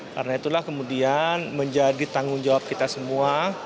karena itulah kemudian menjadi tanggung jawab kita semua